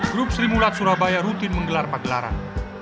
grup sri mulat surabaya rutin menggelar pagelaran